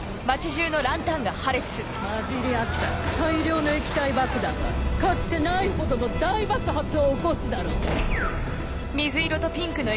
悲鳴混じり合った大量の液体爆弾はかつてないほどの大爆発を起こすだろう。